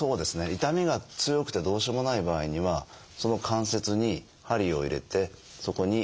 痛みが強くてどうしようもない場合にはその関節に針を入れてそこに注射をすると。